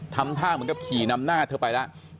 ทำท่าเหมือนกับขี่นำหน้าเธอไปแล้ว